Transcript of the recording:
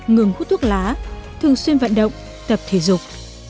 ngừng hút thuốc lá thường xuyên vận động tập thể dục